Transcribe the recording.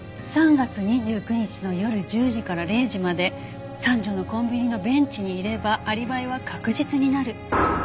「３月２９日の夜１０時から０時まで三条のコンビニのベンチにいればアリバイは確実になる」